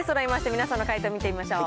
皆さんの解答見てみましょう。